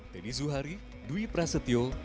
teddy zuhari dwi prasetyo